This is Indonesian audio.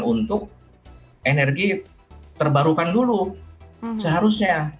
untuk energi terbarukan dulu seharusnya